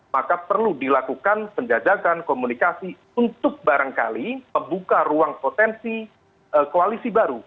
maka perlu dilakukan penjajakan komunikasi untuk barangkali membuka ruang potensi koalisi baru